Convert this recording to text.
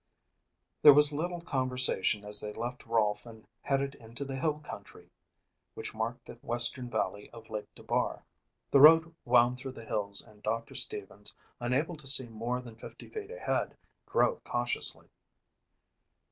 There was little conversation as they left Rolfe and headed into the hill country which marked the western valley of Lake Dubar. The road wound through the hills and Doctor Stevens, unable to see more than fifty feet ahead, drove cautiously.